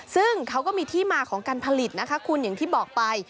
ซึ่งเขาก็มีที่มาของการผลิตนะคะคุณอย่างที่บอกไป